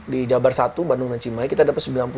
di jabar satu bandung dan cimai kita dapat